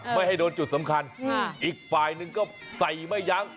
ไม่ให้โดนจุดสำคัญอีกฝ่ายหนึ่งก็ใส่ไม่ยั้ง